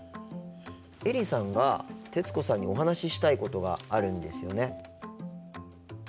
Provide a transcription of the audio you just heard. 映里さんが徹子さんにお話ししたいことがあるんですよね？